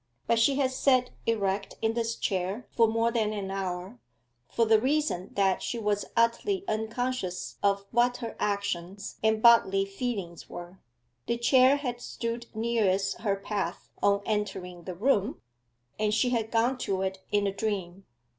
But she had sat erect in this chair for more than an hour, for the reason that she was utterly unconscious of what her actions and bodily feelings were. The chair had stood nearest her path on entering the room, and she had gone to it in a dream.